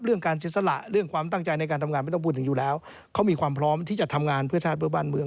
การเสียสละเรื่องความตั้งใจในการทำงานไม่ต้องพูดถึงอยู่แล้วเขามีความพร้อมที่จะทำงานเพื่อชาติเพื่อบ้านเมือง